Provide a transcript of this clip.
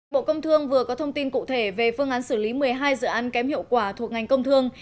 bộ công thương vừa có thông tin cụ thể về phương án xử lý một mươi hai dự án kém hiệu quả thuộc ngành công thương